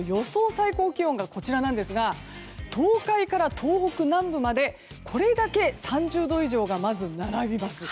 最高気温がこちらなんですが東海から東北南部までこれだけ３０度以上がまず並びます。